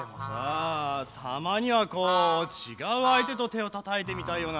あたまにはこうちがうあいてとてをたたいてみたいよな。